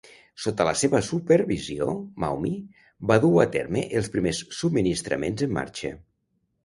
Sota la seva supervisió, "Maumee" va dur a terme els primers subministraments en marxa.